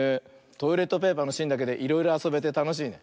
トイレットペーパーのしんだけでいろいろあそべてたのしいね。